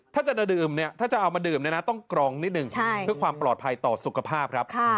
ถ้าจะเอามาดื่มต้องกรองนิดหนึ่งเพื่อความปลอดภัยต่อสุขภาพครับ